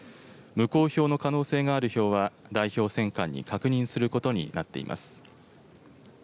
無効票の可能性がある票は代表選管に確認することになっています。